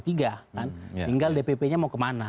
tinggal dppnya mau kemana